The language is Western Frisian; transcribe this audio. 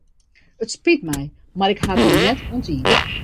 It spyt my mar ik ha it no net oan tiid.